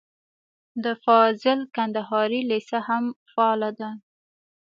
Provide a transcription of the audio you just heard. د فاضل کندهاري لېسه هم فعاله ده.